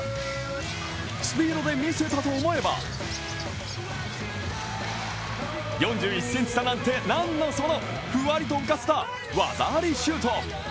スピードで見せたと思えば４１ｃｍ差なんてなんのその、ふわりと浮かせた技ありシュート。